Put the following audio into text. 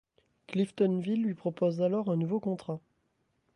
Cliftonville lui propose alors un nouveau contrat.